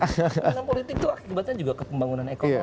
pembangunan politik itu akibatnya juga kepembangunan ekonomi